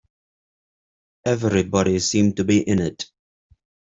Everybody seemed to be in it!